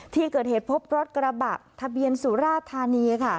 ที่เกิดเหตุพบรถกระบะทะเบียนสุราธานีค่ะ